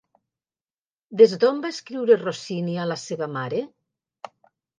Des d'on va escriure Rossini a la seva mare?